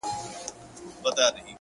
خدایه نور یې د ژوندو له کتار باسه.